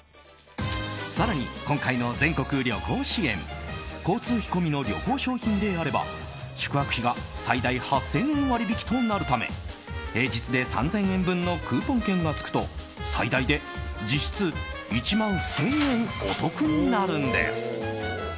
更に今回の全国旅行支援交通費込みの旅行商品であれば宿泊費が最大８０００円割引となるため平日で３０００円分のクーポン券がつくと最大で、実質１万１０００円お得になるんです。